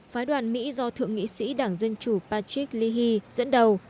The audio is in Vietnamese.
phái đoàn mỹ do thượng nghị sĩ đảng dân chủ patrick leahy dẫn đầu